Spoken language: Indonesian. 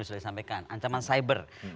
sudah disampaikan ancaman cyber